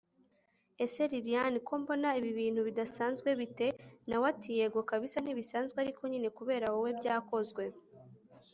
ese lilian! ko mbona ibi bintu bidasanzwe bite!? nawe ati yego kbsa ntibisanzwe ariko nyine kubera wowe byakozwe